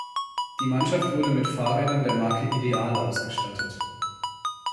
Die Mannschaft wurde mit Fahrrädern der Marke Ideal ausgestattet.